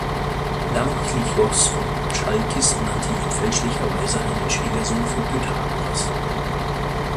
Iamblichos von Chalkis nannte ihn fälschlicherweise einen Schwiegersohn von Pythagoras.